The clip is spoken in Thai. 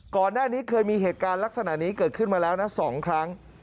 ก่อนหน้านี้เคยมีเหตุการณ์ลักษณะนี้เกิดขึ้นมาแล้วนะ๒ครั้ง